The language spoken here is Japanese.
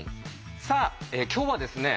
さあ今日はですね